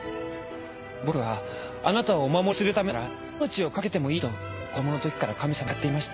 僕はあなたをお護りするためなら命を懸けてもいいと子供の時から神様に誓っていました。